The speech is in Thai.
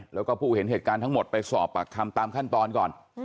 แล้วก็ผู้เห็นเหตุการณ์ทั้งหมดไปสอบปากคำตามขั้นตอนก่อน